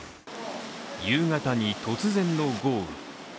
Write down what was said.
夕方に突然の豪雨。